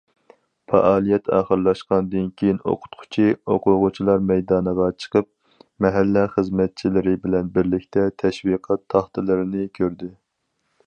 پائالىيەت ئاخىرلاشقاندىن كېيىن ئوقۇتقۇچى، ئوقۇغۇچىلار مەيدانغا چىقىپ، مەھەللە خىزمەتچىلىرى بىلەن بىرلىكتە تەشۋىقات تاختىلىرىنى كۆردى.